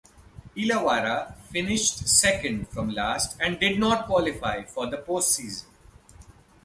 Illawarra finished second from last and did not qualify for the postseason.